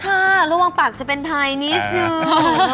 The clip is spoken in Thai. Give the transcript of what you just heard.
ค่ะระวังปากจะเป็นภัยนิดนึง